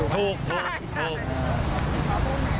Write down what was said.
พูดถูก